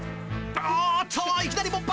おっと、いきなり勃発。